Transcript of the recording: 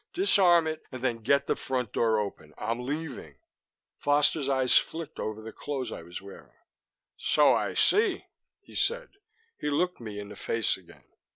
"Disarm it, and then get the front door open. I'm leaving." Foster's eyes flicked over the clothes I was wearing. "So I see," he said. He looked me in the face again.